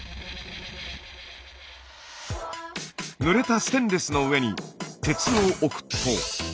ぬれたステンレスの上に鉄を置くと。